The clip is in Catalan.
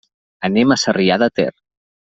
Anem a Sarrià de Ter.